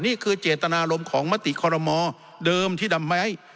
นี่คือเจตนารมณ์ของมติคอรมอเดิมที่ดำไว้